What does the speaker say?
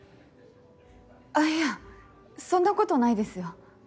あっいやそんなことないですよ。